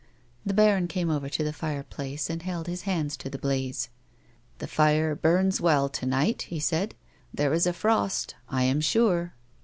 The baron came over to the fireplace, and held his hands to the blaze. " The fire burns well to night," he said ;" there is a frost, I am sm e."